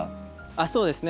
あっそうですね。